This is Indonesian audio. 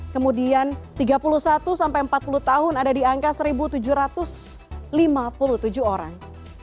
kemudian tiga puluh satu sampai empat puluh tahun ada di angka satu tujuh ratus lima puluh tujuh orang